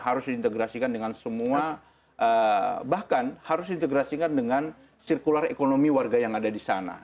harus diintegrasikan dengan semua bahkan harus diintegrasikan dengan sirkular ekonomi warga yang ada di sana